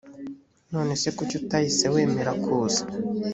none se kuki utahise wemera kuza